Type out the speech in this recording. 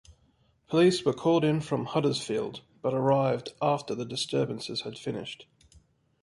Police were called in from Huddersfield but arrived after the disturbances had finished.